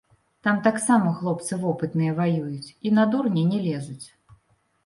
Там таксама хлопцы вопытныя ваююць і на дурня не лезуць.